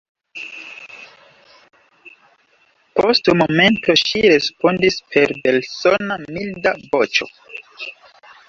Post momento ŝi respondis per belsona, milda voĉo: